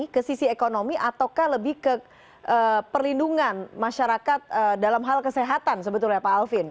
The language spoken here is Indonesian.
ke sisi ekonomi ataukah lebih ke perlindungan masyarakat dalam hal kesehatan sebetulnya pak alvin